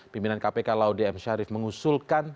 pimpinan kpk laude m syarif mengusulkan